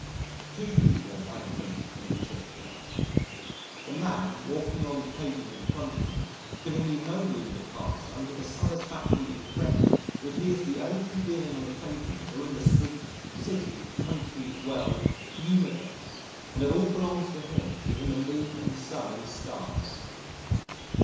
Two People I hate in particular The man walking along the pavement in front of me giving me no room to pass under the satisfactory impression that he is the only being on the pavement or in the street, city, country, world, universe: and it all belongs to him even the moon and sun and stars.